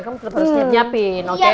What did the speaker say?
kamu harus siap siapin oke